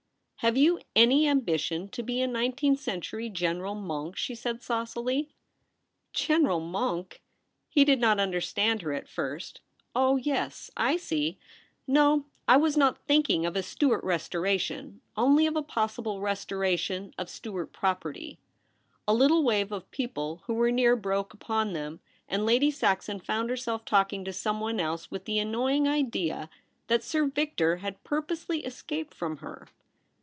' Have you any ambition to be a nineteenth century General Monk ?' she said saucily. ' General Monk !' He did not understand her at first. ' Oh yes ; I see. No, I was not thinking of a Stuart restoration ; only of a possible restoration of Stuart property.' A little wave of people who were near broke upon them, and Lady Saxon found herself talking to someone else with the annoying idea that Sir Victor had purposely escaped from her.